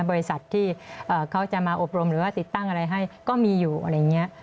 บริษัทที่เขาจะมาอบรมหรือว่าติดตั้งอะไรให้ก็มีอยู่อะไรอย่างนี้